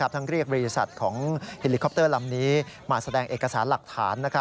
ทั้งเรียกบริษัทของเฮลิคอปเตอร์ลำนี้มาแสดงเอกสารหลักฐาน